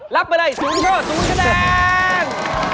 เล็บไปเลย๐ช๔๐คะแนน